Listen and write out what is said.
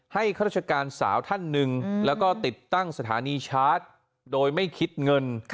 ข้าราชการสาวท่านหนึ่งแล้วก็ติดตั้งสถานีชาร์จโดยไม่คิดเงิน